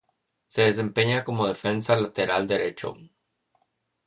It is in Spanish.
Se desempeña como defensa lateral derecho.